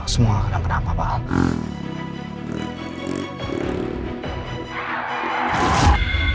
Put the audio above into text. semoga gak kena apa apa